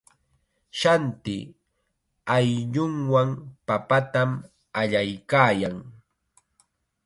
Shanti ayllunwan papatam allaykaayan.